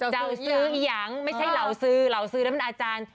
แหม่จ่าศึอีหยังไม่ใช่เหล่าซื้อหล่าฟันอาจารย์